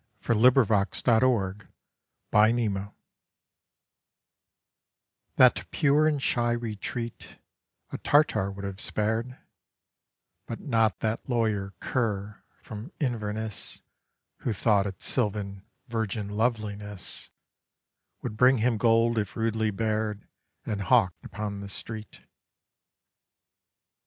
XV THE FAIRY GLEN REVISITED THAT pure and shy retreat A Tartar would have spared, But not that lawyer cur from Inverness, Who thought its sylvan virgin loveliness Would bring him gold if rudely bared And hawked upon the street.